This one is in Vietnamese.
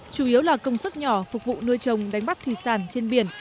chủ yếu là công suất nhỏ phục vụ nuôi trồng đánh bắt thủy sản trên biển